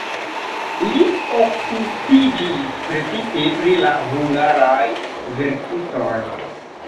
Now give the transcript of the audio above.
Li okupiĝis precipe pri la hungaraj verkistoj.